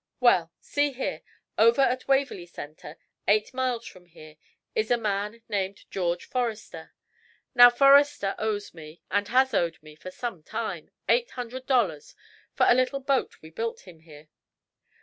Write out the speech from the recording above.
"Well, see here, over at Waverly Center, eight miles from here, is a man named George Forrester. Now, Forrester owes me, and has owed me, for some time, eight hundred dollars for a little boat we built him here.